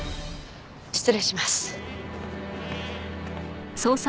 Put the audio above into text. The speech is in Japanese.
失礼します。